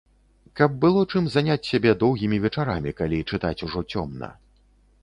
Каб было чым заняць сябе доўгімі вечарамі, калі чытаць ужо цёмна.